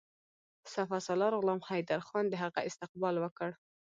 سپه سالار غلام حیدرخان د هغه استقبال وکړ.